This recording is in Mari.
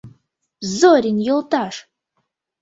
— Зорин йолташ!